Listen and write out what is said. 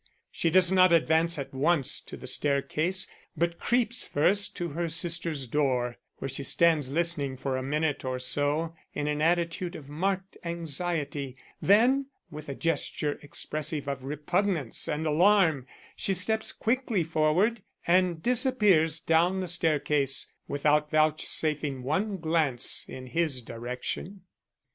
She does not advance at once to the staircase, but creeps first to her sister's door, where she stands listening for a minute or so in an attitude of marked anxiety. Then, with a gesture expressive of repugnance and alarm, she steps quickly forward and disappears down the staircase without vouchsafing one glance in his direction.